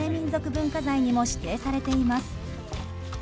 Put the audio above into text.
文化財にも指定されています。